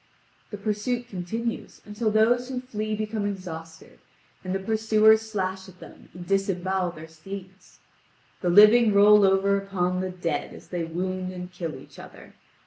The pursuit continues until those who flee become exhausted, and the pursuers slash at them and disembowel their steeds. The living roll over upon the dead as they wound and kill each other.